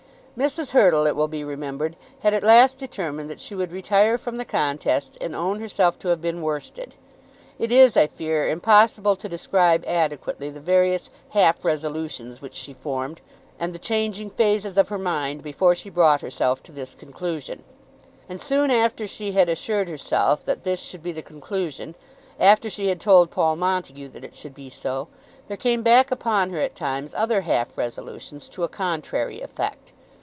Mrs. Hurtle, it will be remembered, had at last determined that she would retire from the contest and own herself to have been worsted. It is, I fear, impossible to describe adequately the various half resolutions which she formed, and the changing phases of her mind before she brought herself to this conclusion. And soon after she had assured herself that this should be the conclusion, after she had told Paul Montague that it should be so, there came back upon her at times other half resolutions to a contrary effect.